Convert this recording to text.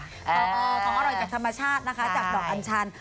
ของอร่อยจากธรรมชาตินะคะจากดอกอัญชัน